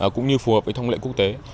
cũng như phù hợp với thông lệ quốc tế